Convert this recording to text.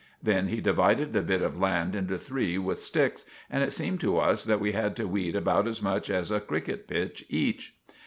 Then he divided the bit of land into three with sticks, and it seemed to us that we had to weed about as much as a cricket pitch each.